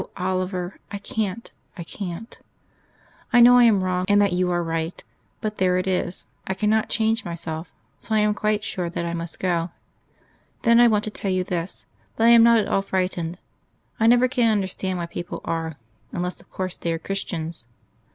Oliver! I can't I can't. "I know I am wrong, and that you are right but there it is; I cannot change myself. So I am quite sure that I must go. "Then I want to tell you this that I am not at all frightened. I never can understand why people are unless, of course, they are Christians.